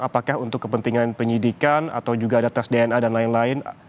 apakah untuk kepentingan penyidikan atau juga ada tes dna dan lain lain